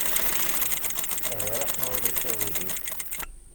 Ɣer-as, ma ulac aɣilif.